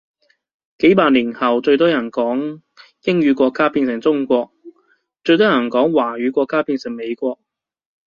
幾百年後最人多講英語國家變成中國，最多人講華語國家變成美國